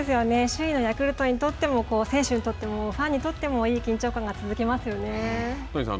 首位のヤクルトにとっても選手にとってもファンにとってもいい緊張感が谷さん